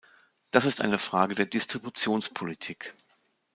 Das ist eine Frage der Distributionspolitik.